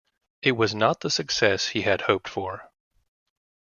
It was not the success he had hoped for.